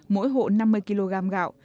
mỗi hộ năm mươi kg gạo